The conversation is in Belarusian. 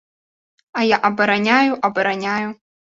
А я абараняю, абараняю.